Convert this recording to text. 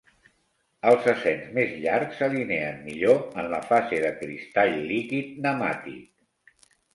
Els acens més llargs s'alineen millor en la fase de cristall líquid nemàtic.